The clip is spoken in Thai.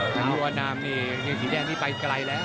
อย่างงี้สีแดงนี้ไปไกลแล้ว